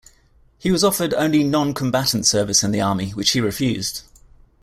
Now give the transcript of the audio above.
He was offered only non-combatant service in the army, which he refused.